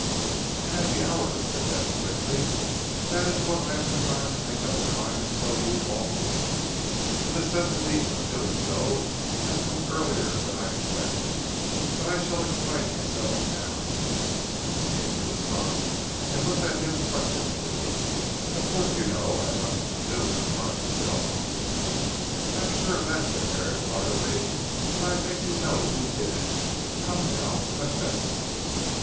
"And at the hour," said Bess quickly. "This is what I have been trying to make up my mind to tell you all the week. The necessity of doing so has come earlier than I expected, but I shall explain myself now." She came to a stop and looked at him questioningly. "Of course you know I had nothing to do with the crime itself?" "I am sure of that," said Herrick heartily. "But I think you know who did it. Come now, confess!"